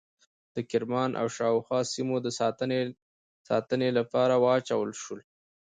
د کرمان او شاوخوا سیمو د ساتنې لپاره واچول شول.